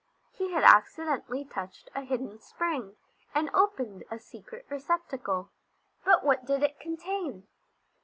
He had accidentally touched a hidden spring and opened a secret receptacle. But what did it contain?